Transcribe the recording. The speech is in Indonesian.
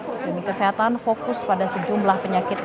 screening kesehatan fokus pada sejumlah penyakit